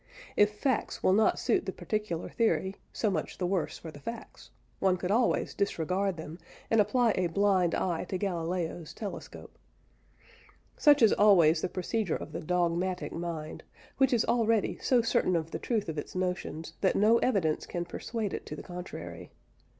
If facts will not suit the particular theory, so much the worse for the facts: one could always disregard them, and apply a blind eye to Galileo's telescope. Such is always the procedure of the dogmatic mind, which is already so certain of the truth of its notions that no evidence can persuade it to the contrary.